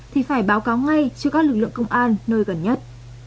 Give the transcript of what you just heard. thì phải báo cáo ngay cho các lực lượng công an nơi gần nhất